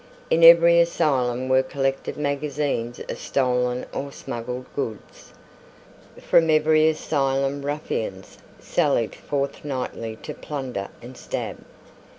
In every asylum were collected magazines of stolen or smuggled goods. From every asylum ruffians sallied forth nightly to plunder and stab.